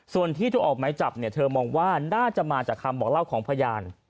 ส่วนที่ถูกออกไม้จับเนี่ยเธอมองว่าน่าจะมาจากคำบอกเล่าของพยาน